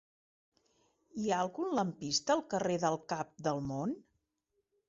Hi ha algun lampista al carrer del Cap del Món?